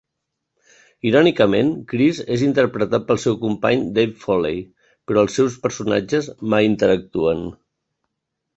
Irònicament, Chris és interpretat pel seu company Dave Foley, però els seus personatges mai interactuen.